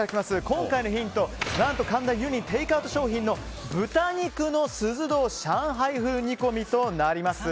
今回のヒント、何と神田雲林テイクアウト商品の豚肉の獅子頭上海風煮込みとなります。